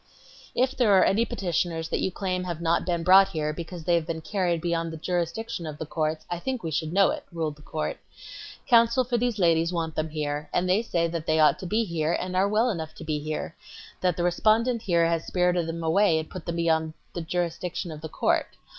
"If there are any petitioners that you claim have not been brought here because they have been carried beyond the jurisdiction of the courts, I think we should know it," ruled the court. "Counsel for these ladies want them here; and they say that they ought to be here and are well enough to b here; that the respondent here has spirited them away and put them beyond the jurisdiction of the court.